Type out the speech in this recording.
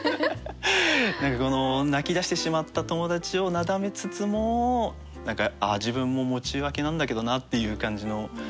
何かこの泣き出してしまった友達をなだめつつも何か自分も喪中明けなんだけどなっていう感じの。